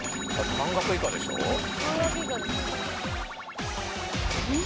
半額以下ですよねうん？